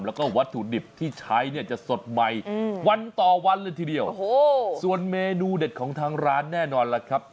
แล้วก็วัตถุดิบที่ใช้เนี่ยจะสดใหม่วันต่อวันเลยทีเดียวโอ้โหส่วนเมนูเด็ดของทางร้านแน่นอนล่ะครับ